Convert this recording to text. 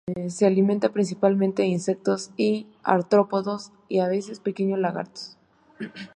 Se alimenta principalmente de insectos y artrópodos y a veces pequeños lagartos.